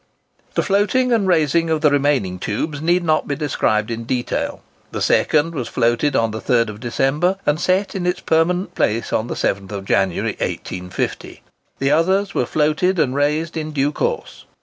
The floating and raising of the remaining tubes need not be described in detail. The second was floated on the 3rd December, and set in its permanent place on the 7th January, 1850. The others were floated and raised in due course.